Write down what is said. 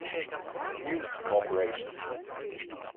News Corp.